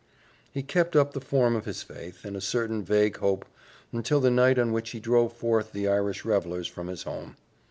He kept up the form of his faith and a certain vague hope until the night on which he drove forth the Irish revelers from his home.